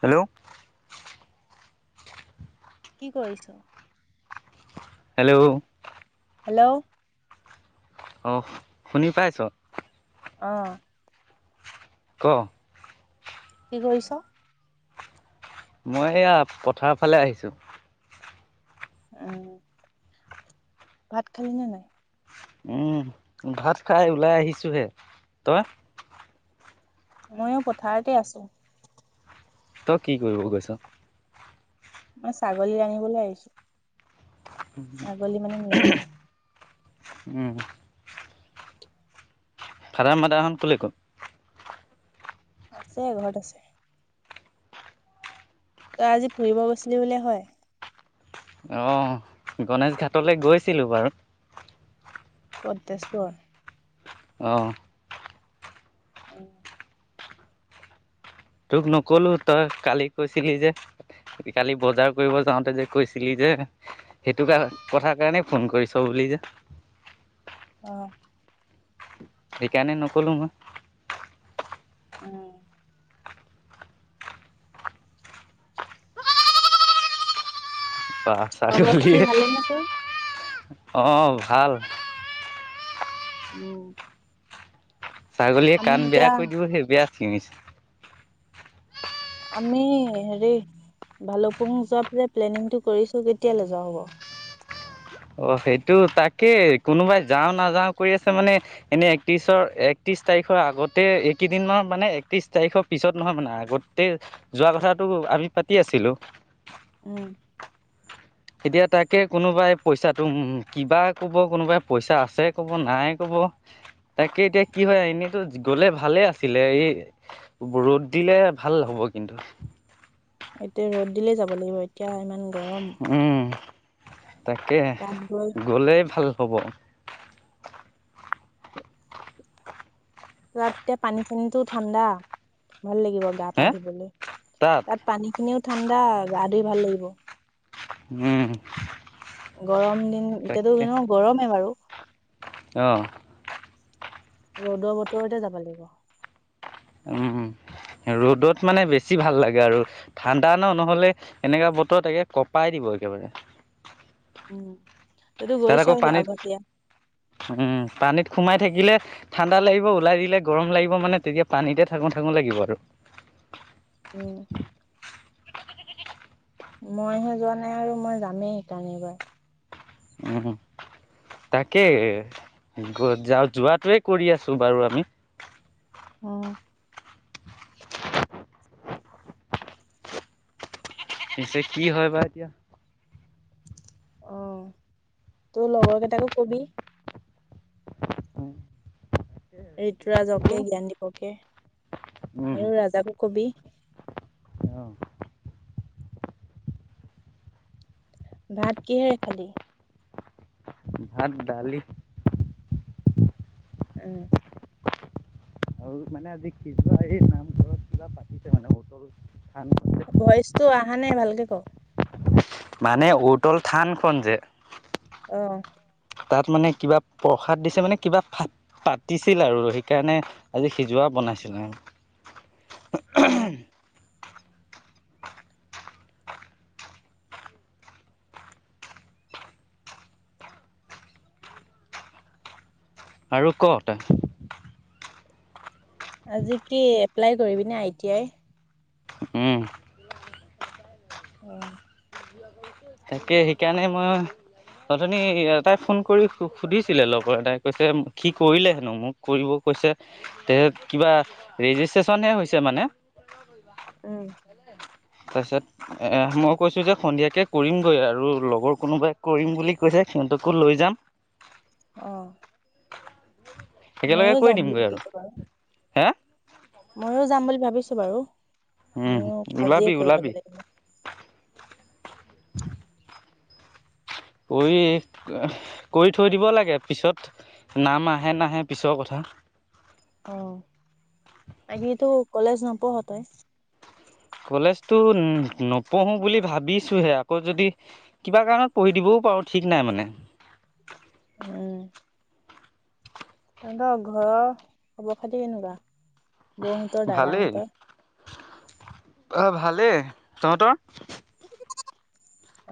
Hello কি কৰিছ hello hello অ শুনি পাইছ আহ ক কি কৰিছ মই এইয়া পথাৰ ফালে আহিছোঁ উম ভাত খালি নে নাই উম ভাত খাই ওলাই আহিছোঁ হে তই ময়ো পথাৰতে আছো তই কি কৰিব গৈছ মই ছাগলী ৰান্নিবলৈ আহিছো ছাগলী মানে নিবলৈ উম উ ভাদ মাদাখন কোলে ক'ত আছে ঘৰত আছে তই আজি ফুৰিব গৈছিলি ব হয় আহ গণেশ ঘাটলৈ গৈছিলো বাৰু কত তেজপুৰ আহঁ উ তোক নকলো তই কালি কৈছিলি যে কালি বজাৰ কৰিব যাওঁতে যে কৈছিলি যে সেইটো কাৰ কথ কাৰণেই ফোন কৰিছ বুলি যে আহ সেইকাৰণে নকলো মই উম বা আ চাক খবৰ লে খাতি ভালে নে তোৰ? অ ভাল উম ছাগলীয়ে আমি কাণ বেয়া এতিয়া কৰি দিব সেই বেয়া চিঞিছে আমি হেৰি ভালুকুম যোৱা প প্লেনিংটো কৰিছো কেতিয়ালৈ যা হ'ব অ সেইটো তাকেই কোনোবাই যাও নাযাও কৰি আছে মানে এনে একত্ৰিশৰ একত্ৰিশ তাৰিখৰ আগতে এইকেইদিনমানৰ মানে একত্ৰিশ তাৰিখৰ পিছত নহয় মানে আগতে যোৱা কথাটো আমি পাতি আছিলো উম এতিয়া তাকে কোনোবাই পইচাটোো কিবা কব কোনোবাই পইচা আছে কব নাই কব তাকে এতিয়া কি হয় এনেইতো গলে ভালে আছিলে এই ৰ'দ দিলে ভাল হ'ব কিন্তু এতিয়া ৰ'দ দিলে যাব লাগিব এতিয়া ইমান গৰম উম তাকে তাত গৈ গ'লেই ভাল হ'ব তাত এয়া পানী চানীটো ঠাণ্ডা ভাল লাগিব গা পা হে ধুবলৈ তাত পানী কিনিও ঠাণ্ডা গা ধই ভাল লাগিব উম গৰম দিন এতিয়াতো তাকে গৰমে বাৰু অ' ৰ'দৰ বতৰতে যাব লাগিব উম ৰ'দত মানে বেছি ভাল লাগে আৰু ঠাণ্ডা ন নহলে এনেককাা বতৰত তাকে কপাই দিব একেবাৰে উম তইতো তাত গৈছ আকৌ পানীত আগতীয়া উম পানীত সোমাই থাকিলে ঠাণ্ডা লাগিব ওলাই দিলে গৰম লাগিব মানে তেতিয়া পানীতে থঙো থাঙো লাগিব আৰু উম মইহে যোৱা নাই আৰু মই যামেই সেইকাৰণেবাৰ উম তাকেই, গৈ যা যোৱাটোৱে কৰি আছো বাৰু আমি। অঁ। [unintelligible] পিছে কি হয় বা এতিয়া। অঁ, তোৰ লগৰ কেইটাকো কবি। [unintelligible] ঋতুৰাজকে, জ্ঞানদীপকে আৰু ৰাজাকো কবি। অঁ। ভাত কিহেৰে খালি। ভাত দালি। উম। আৰু মানে আজি পিছবেলা এই নামঘৰত কিবা পাতিছে মানে [unintelligible] ভইচতটো অহা নাই ভালকে ক। মানে উতল থানখন যে অঁ। তাত মানে কিবা প্ৰসাদ দিছে মানে কিবা পাতিছিল আৰু সেইকাৰণে আজি সিজোৱা বনাইছিল অ আৰু। [unintelligible] আৰু ক'ত। আজি কি এপ্লাই কৰিবিনে আই টি আই। উম। অঁ। তাকে সেইকাৰণে মই অথনি এটাই ফোন কৰি সুধিছিলে লগৰ এটাই কৈছে কি কৰিলে হেনো মোক কৰিব কৈছে তে কিবা ৰেজিষ্ট্ৰেশচনহে হৈছে মানে। উম। তাৰ পিছত এ মই কৈছো যে সন্ধিয়াকে কৰিমগৈ আৰু লগৰ কোনোবাই কৰিম বুলি কৈছে সিহঁতকো লৈ যাম। অঁ। একেলগে কৰি দিমগৈ আৰু। ভাবিছো বাৰু হে। ময়ো যাম বুলি ভাবিছো বাৰু। উম, ময়ো আজিয়ে কৰি ল'ব ওলাবি-ওলাবি। [inaudible] লাগিব কৰি-কৰি থৈ দিব লাগে, পিছত নাম আহে নাহে পিছৰ কথা। অঁ [unintelligible] কলেজ নপঢ় তই। কলেজতো নপঢ়ো বুলি ভাবিছোহে আকৌ যদি কিবা কাৰণত পঢ়ি দিবও পাৰো ঠিক নাই মানে। উম। তহঁতৰ ঘৰৰ খবৰ খাতি কেনেকুৱা। বৌ হতৰ, দাদা হতৰ। অঁ ভালেই, তহঁতৰ।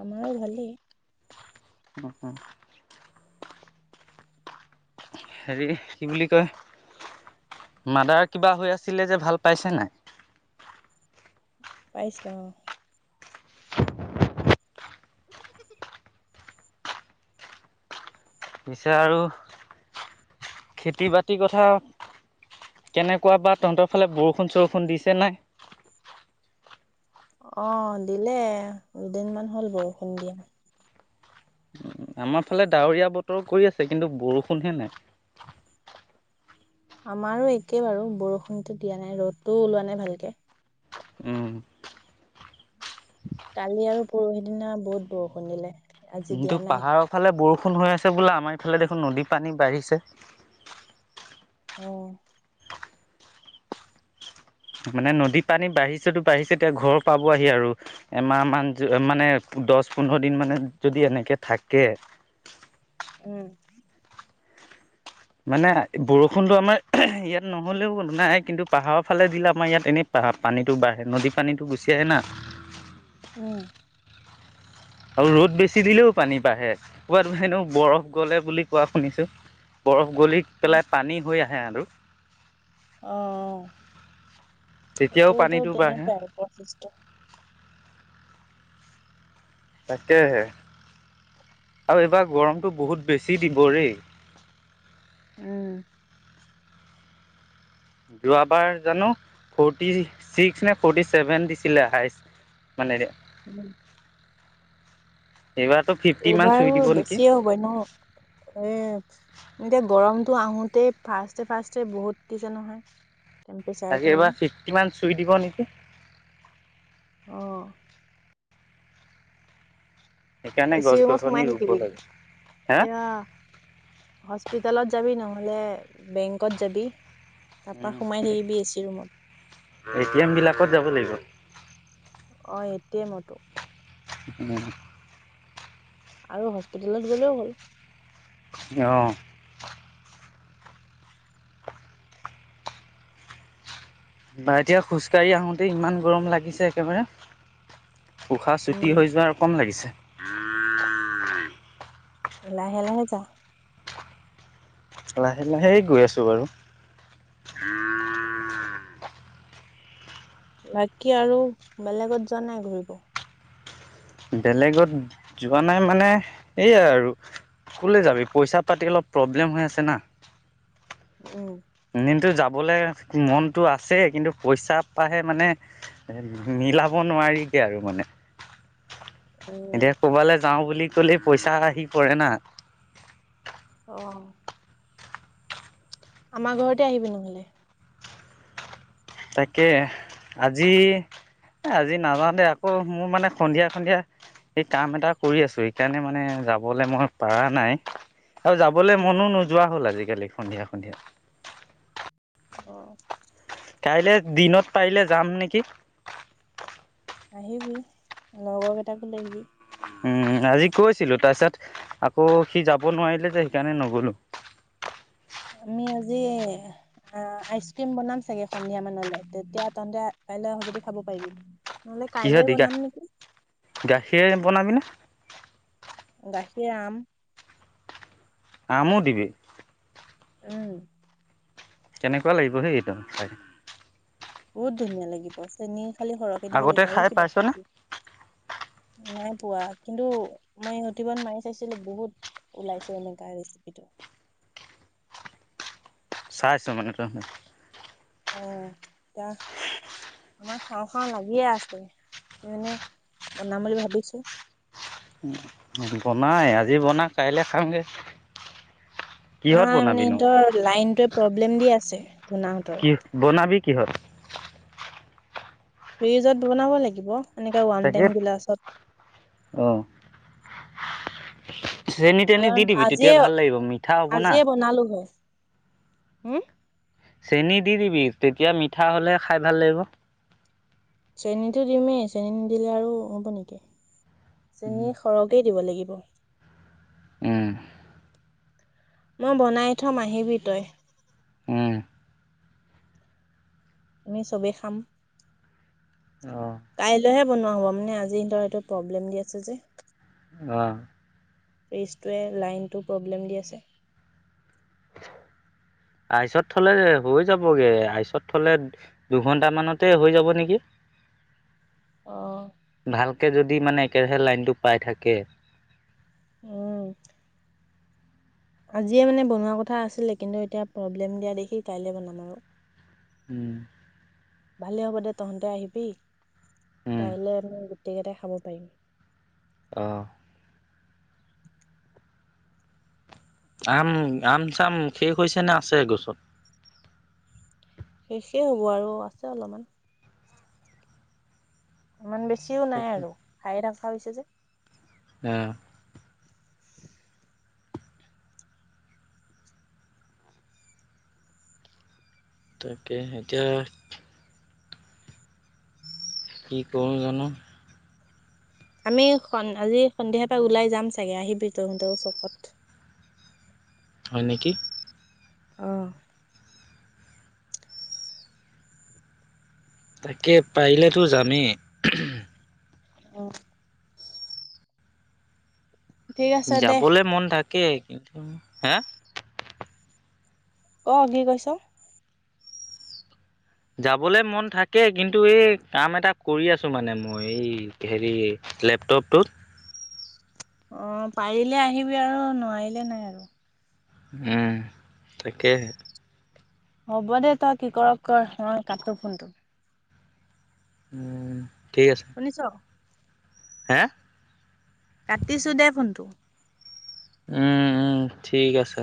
আমাৰো ভালেই। [unintelligible] হেৰি কি বুলি কয়, মাদাৰ কিবা হৈ আছিলে যে ভাল পাইছে নাই। পাইছে অ। পিছে আৰু খেতি বাতিৰ কথা কেনেকুৱা বা তহঁতৰ ফালে বৰষুণ চৰষুণ দিছে নাই। অঁ দিলে দুদিনমান হ'ল বৰষুণ দিয়া। উ আমাৰ ফালে ডাৱৰীয়া বতৰো কৰি আছে কিন্তু বৰষুণহে নাই আমাৰো একে বাৰু বৰষুণো দিয়া নাই ৰ'দটো ওলোৱা নাই ভালকে উম। কালি আৰু পৰহি দিনা বহুত বৰষুণ দিলে। আজি কিন্তু দিয়া নাই পাহাৰৰ ফালে বৰষুণ ষুণ হৈ আছে বোলে আমাৰ ইফালে দেখোন নদী পানী বাঢ়িছে অ মানে নদী পানী বাঢ়িছেতো বাঢ়িছে এতিয়া ঘৰ পাবহি আৰু এমাহ মান মানে দহ পোন্ধৰ দিন মানে যদি এনেকে থাকে উম মানে বৰষুণতো আমাৰ ইয়াত নহলেও নাই কিন্তু পাহাৰৰ ফালে দিলে আমাৰ ইয়াত এনেই পাহ পানীটো বাঢ়ে নদী পানীতটো গুচি আহে না উ আৰু ৰ'দ বেছি দিলেও পানী বাঢ়ে ক'ৰবাতোনো বৰফ গলে বুলি কোৱা শুনিছো বৰফ গলি পেলাই পানী হৈ আহে। হে আৰু আহ তেতিয়াও এইটোতো পানীটো বাঢ়ে তেনেকাই প্ৰচেছ টো তাকেহে আৰু এইবাৰ গৰমটো বহুত বেছি দিব ৰেই উম যোৱাবাৰ জানো ফৰ্টি ছিক্স নে ফৰ্টি চেভেন দিছিলে হাইষ্ট মানে উম। এইবাৰতো ফিফটি মান এইবাৰো চুই দিব নেকি বেছিয়ে হ'ব ন এ এতিয়া গৰম। তো আহোতেই ফাৰ্ষ্টে ফাৰ্ষ্টে বহুত দিছে নহয়। টেম্পেচাৰটো তাকে মানে এইবাৰ ছিক্সটি মান চুই দিব নেকি? অঁ সেইকাৰণে এ চি গছ ৰুমত গছনি সোমাই ৰুব থাকিবি লাগে হা এয়া হস্পিতেলত যাবি ন নহলে বেংকত যাবি। তাৰপা সোমাই থাকিবি এচি ৰুমত এ টি এম বিলাকত যাব লাগিব। অঁ এ টি এমতো ম আৰু হস্পিতেলত গ'লেও হ'ল। অ বা এতিয়া খোজ কাঢ়ি আহোতে ইমান গৰম লাগিছে একেবাৰে উশাহ উম, চুটি হৈ যোৱাৰ কম লাগিছে লাহে লাহে যা লাহে লাহে গৈ আছো বাৰু। বাকী আৰু বেলেগত যোৱা নাই ঘূৰিব। বেলেগত যোৱা নাই মানে এইয়াই আৰু কলৈ যাবি পইচা পাতি অলপ প্ৰব্লেম হৈ আছে না। উম। এনেটো যাবলে মনটো আছে কিন্তু পইচা পাহে মানে মিলাব নোৱাৰিগে আৰু মানে এতিয়া উম, ক'বালৈ যাও বুলি। লে পইচা আহি পৰে না। আহ। আমাৰ ঘৰতে আহিবি নহলে। তাকে আজি আজি নাযাওঁতে আকৌ মোৰ মানে সন্ধিয়া সন্ধিয়া এই কাম এটা কৰি আছো সেইকাৰণে মানে যাবলৈ মই পৰা নাই আৰু যাবলৈ মনো নোযোৱা হ'ল আজি কালি সন্ধিয়া সন্ধিয়া অ কাইলৈ দিনত পাৰিলে যাম নেকি আহিবি লগৰ কেইটাকো লৈ আহিবি উম আজি কৈছিলো তাৰ পিছত আকৌ সি যাব নোৱাৰিলে যে সেইকাৰণে নগলো আমি আজি আইচ ক্ৰীম বনাম চাগে সন্ধিয়া মানলৈ তেতিয়া তহতে কাইলৈ আহ যদি খাব পাৰিবি নহলে কিহ কাইলৈ দি গা বনাম নেকি গাখীৰ বনাবিনে গাখীৰ আম আমু দিবি উম কেনেকুৱা লাগিব সিটো হয় বহুত ধুনীয়া লাগিব চেনী খালি সৰহকে দিব আগতে লাগিব আৰু খাই কিবা পাইছনে? নাই পোৱা কিন্তু মই ইউটিউবত মাৰি চাইছিলো বহুত ওলাইছে এনেকা ৰেচিপিটো চাইছ মানে তই অ এতিয়া আমাৰ খাওঁ খাওঁ লাগিয়ে আছে মানে বনাম বুলি ভাবিছো বনাই আজি বনা কাইলে খামগে কিহত নাই মানে বনাবিনো? সিহঁতৰ লাইনটোৱে প্ৰব্লেম দি আছে ধূনাহঁতৰ কি বনাবি কি হ'ল ফ্ৰিজত বনাব লাগিব এনেকে ওৱান তাকে টাইম গিলাছত অ চেনি এ তেনি দি দিবি আজিয়ে তেতিয়া ভাল লাগিব মিঠা হ'ব না উম চেনী দি দিবি তেতিয়া মিঠা হলে খাই ভাল লাগিব চেনীটো দিমেই চেনী নিদিলে আৰু হ'ব নেকি উম চেনি সৰহকে দিব লাগিব [inaudible] উম মই বনাই থম আহিবি তই উম আমি চবেই খাম আহ কাইলৈহে বনোৱা হ'ব মানে আজি সিহতৰ সটো প্ৰব্লেম দি আছে যে অ ফ্ৰিজটোৱে লাইনটো প্ৰব্লেম দি আছে আইচত থলে হৈ যাবগে আইচত থলে দুঘন্টা মানতে হৈ যাব নেকি অ'। ভালকৈ যদি মানে একেৰাহে লাইনটো পাই থাকে উম আজিয়ে মানে বনোৱা কথা আছিলে কিন্তু এতিয়া প্ৰব্লেম দিয়া দেখি কাইলে বনাম আৰু উম ভালে হ'ব দে তহঁতে আহিবি উম কাইলৈ ন গোটেইকেইটা খাব পাৰিবি আহঁ আম আম চাম শেষ হৈছে নে আছে গছত শেষেই হ'ব আৰু আছে অলপমান ইমান বেছিও নাই তাকে আৰু খাই থাকো তাৰ পাছত হৈছে যে অ তাকে এতিয়া কি কৰোঁ জানো আমি আজি সন্ধিয়াৰ পৰা ওলাই যাম চাগে আহিবি ত তহঁতৰ চকত হয় নেকি আঁহ তাকে পাৰিলেতো যামেই আঁহ ঠিক আছে দে যাবলে মন থাক কিন্তু হাঁ ক কি কৈছ যাবলে মন থাকে কিন্তু এই কাম এটা কৰি আছো মানে মই এই হেৰি লেপটপটোত অঁ পাৰিলে আহিবি আৰু নোৱাৰিলে নাই আৰু উম তাকেহে হ'ব দে তই কি কৰ কৰ মই কাটো ফোনটো উম ঠিক আছে শুনিছ হে কাটিছো দে ফোনটো উম উম ঠিক আছে